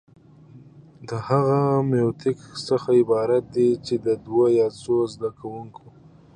د هغه ميتود څخه عبارت دي چي د دوو يا څو زده کوونکو،